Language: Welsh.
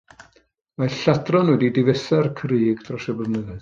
Mae lladron wedi difetha'r crug dros y blynyddoedd.